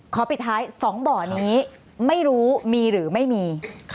ปิดท้าย๒บ่อนี้ไม่รู้มีหรือไม่มี